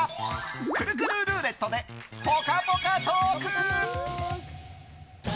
くるくるルーレットでぽかぽかトーク！